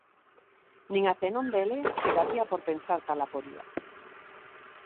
Nin a Zenón de Elea lle daría por pensar tal aporía.